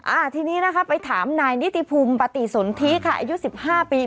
อ่าทีนี้นะคะไปถามนายนิติภูมิปฏิสนทิค่ะอายุสิบห้าปี